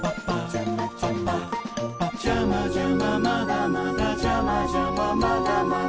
「ジャマジャマまだまだジャマジャマまだまだ」